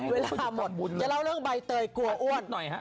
เวลาหมดจะเล่าเรื่องใบเตยกลัวอ้วน